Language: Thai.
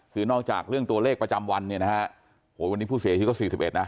คือนอกจากเรื่องตัวเลขประจำวันเนี่ยนะฮะโหวันนี้ผู้เสียชีวิตก็๔๑นะ